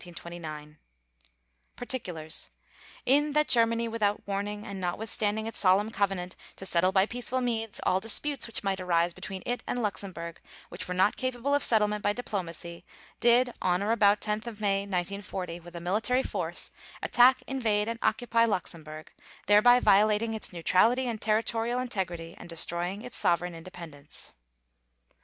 _ PARTICULARS: In that Germany, without warning, and notwithstanding its solemn covenant to settle by peaceful means all disputes which might arise between it and Luxembourg which were not capable of settlement by diplomacy, did, on or about 10 May 1940, with a military force, attack, invade, and occupy Luxembourg, thereby violating its neutrality and territorial integrity and destroying its sovereign independence.